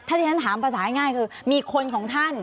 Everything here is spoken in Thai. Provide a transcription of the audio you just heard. ที่ฉันถามภาษาง่ายคือมีคนของท่าน